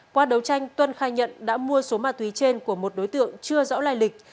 qua đấu tranh tuân khai nhận đã mua số ma túy trên của một đối tượng chưa rõ lai lịch